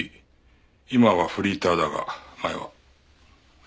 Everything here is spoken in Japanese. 今はフリーターだが前は。